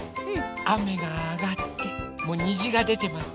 あめがあがってもうにじがでてます。